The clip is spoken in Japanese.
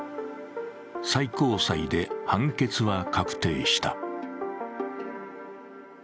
最高裁で判決は確定した。